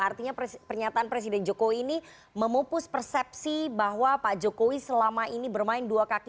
artinya pernyataan presiden jokowi ini memupus persepsi bahwa pak jokowi selama ini bermain dua kaki